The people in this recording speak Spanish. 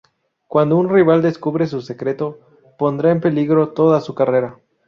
Cuando un rival descubre su secreto, pondrá en peligro toda su carrera.